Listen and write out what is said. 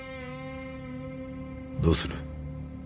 どうする？